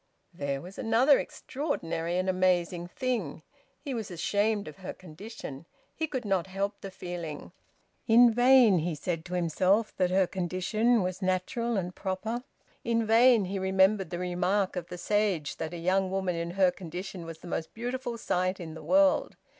There was another extraordinary and amazing thing. He was ashamed of her condition! He could not help the feeling. In vain he said to himself that her condition was natural and proper. In vain he remembered the remark of the sage that a young woman in her condition was the most beautiful sight in the world.